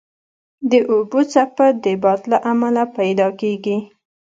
د اوبو څپه د باد له امله پیدا کېږي.